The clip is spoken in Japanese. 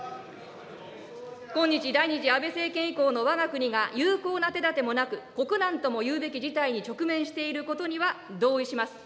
今日、第２次安倍政権以降のわが国が有効な手だてもなく、国難ともいうべき事態に直面していることには同意します。